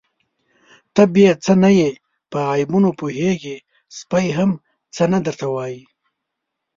_ته بې څه نه يې، په غيبو پوهېږې، سپی هم څه نه درته وايي.